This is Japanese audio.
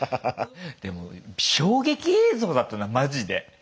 でも衝撃映像だったなマジで。